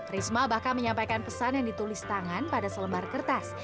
risma bahkan menyampaikan pesan yang ditulis tangan pada selembar kertas